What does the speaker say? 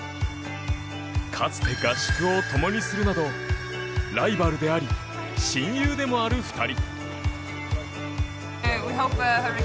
かつて合宿をともにするなどライバルであり親友でもある２人。